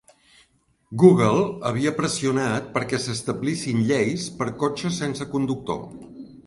Google havia pressionat perquè s'establissin lleis per a cotxes sense conductor.